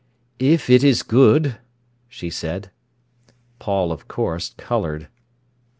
"If it is good," she said. Paul, of course, coloured.